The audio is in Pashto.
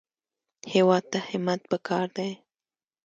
هېواد ته همت پکار دی